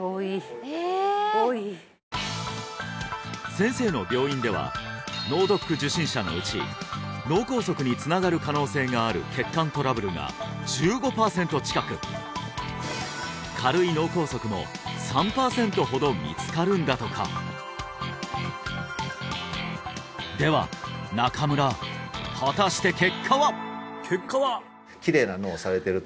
先生の病院では脳ドック受診者のうち脳梗塞につながる可能性がある血管トラブルが１５パーセント近く軽い脳梗塞も３パーセントほど見つかるんだとかでは中村果たして結果は！？